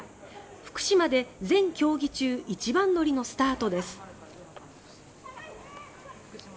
福島で全競技中一番乗りのスタートです。